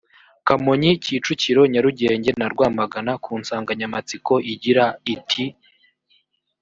kamonyi kicukiro nyarugenge na rwamagana ku nsanganyamatsiko igira iti